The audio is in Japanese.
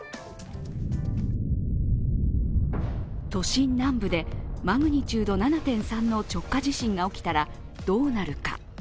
都心南部で、マグニチュード７．３の直下地震が起きたらどうなるか。